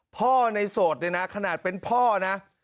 พ่อในโสดเนี่ยนะขนาดเป็นพ่อนะ